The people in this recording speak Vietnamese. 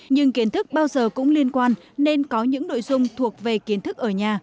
nhưng kiến thức bao giờ cũng liên quan nên có những nội dung thuộc về kiến thức ở nhà